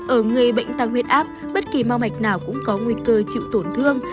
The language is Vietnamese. ở người bệnh tăng huyết áp bất kỳ mau mạch nào cũng có nguy cơ chịu tổn thương